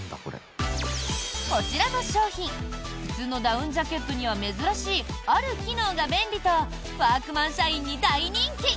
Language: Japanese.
こちらの商品普通のダウンジャケットには珍しい、ある機能が便利とワークマン社員に大人気。